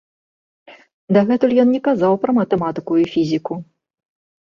Дагэтуль ён не казаў пра матэматыку і фізіку.